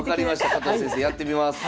加藤先生やってみます。